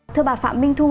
thưa bà phạm minh thu